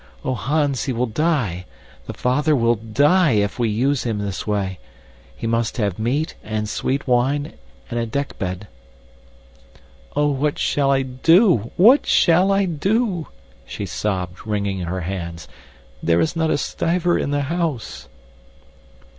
Oh, Hans, he will die the father will DIE, if we use him this way. He must have meat and sweet wine and a dekbed. Oh, what shall I do, what shall I do?" she sobbed, wringing her hands. "There is not a stiver in the house."